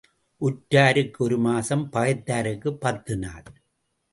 உற்றாருக்கு ஒரு மாசம் பகைத்தாருக்குப் பத்து நாள்.